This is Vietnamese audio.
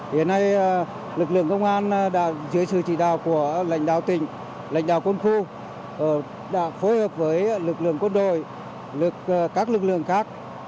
hiện nay lực lượng công an đã dưới sự chỉ đạo của lãnh đạo tỉnh lãnh đạo quân khu đã phối hợp với lực lượng quân đội các lực lượng khác